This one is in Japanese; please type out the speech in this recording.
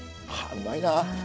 うまいな。